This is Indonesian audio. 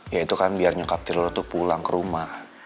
ya itu kan biar nyokap tirul lo tuh pulang ke rumah